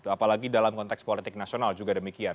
apalagi dalam konteks politik nasional juga demikian